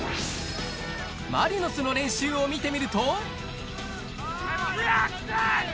マリノスの練習を見てみると。